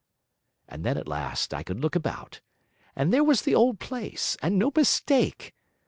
And then at last I could look about, and there was the old place, and no mistake!